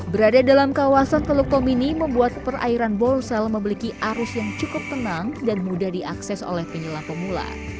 berada dalam kawasan teluk komini membuat perairan bolsel memiliki arus yang cukup tenang dan mudah diakses oleh penyelam pemula